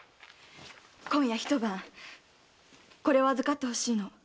今夜一晩これを預かって欲しいの。